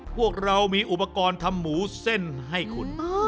พวกเรามีอุปกรณ์ทำหมูเส้นให้คุณ